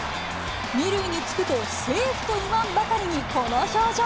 ２塁に着くと、セーフと言わんばかりにこの表情。